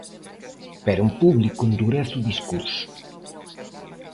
Pero en público endurece o discurso.